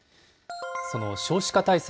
その少子化対策。